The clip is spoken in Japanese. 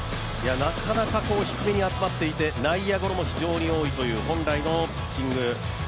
なかなか低めに集まっていて内野ゴロも非常に多いという本来のピッチング。